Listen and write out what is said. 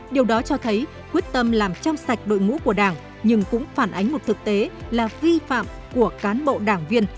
điều đó cho thấy quyết tâm làm trong sạch đội ngũ của đảng nhưng cũng phản ánh một thực tế là vi phạm của cán bộ đảng viên